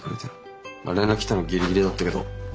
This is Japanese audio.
まあ連絡来たのギリギリだったけど。